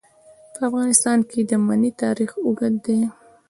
په افغانستان کې د منی تاریخ اوږد دی.